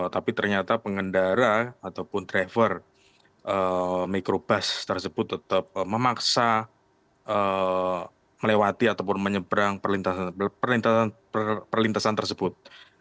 tapi ternyata pengendara ataupun driver microbus tersebut tetap memaksa melewati ataupun menyeberang perlintasan tersebut